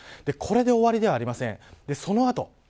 これで終わりではありません。